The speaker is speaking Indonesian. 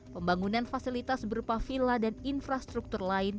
pembangunan fasilitas berupa villa dan infrastruktur lain